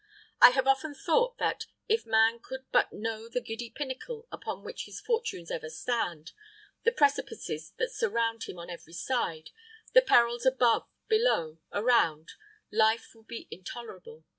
I have often thought that, if man could but know the giddy pinnacle upon which his fortunes ever stand, the precipices that surround him on every side; the perils above, below, around, life would be intolerable.